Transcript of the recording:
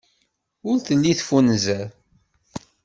Ur telli teffunzer.